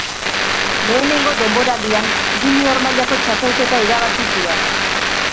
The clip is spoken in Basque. Lehenengo denboraldian junior mailako txapelketa irabazi zuen.